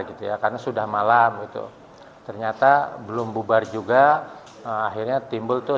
gitu ya karena sudah malam itu ternyata belum bubar juga akhirnya timbul tuh